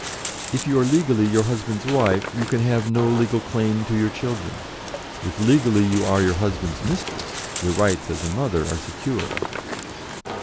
If you are legally your husband's wife, you can have no legal claim to your children; if legally you are your husband's mistress, your rights as mother are secure."